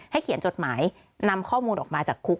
เขียนจดหมายนำข้อมูลออกมาจากคุก